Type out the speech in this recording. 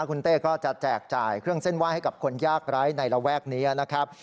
คุณเต้ก็จะแจกจ่ายเครื่องเส้นไหว้ให้กับคนยากไร้ในระแวกนี้นะครับ